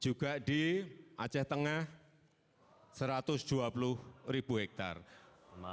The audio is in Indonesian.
juga di aceh tengah satu ratus dua puluh ribu hektare